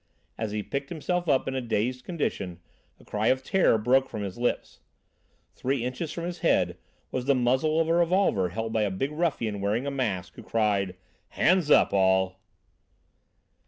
As he picked himself up in a dazed condition, a cry of terror broke from his lips. Three inches from his head was the muzzle of a revolver held by a big ruffian wearing a mask, who cried: "Hands up, all!"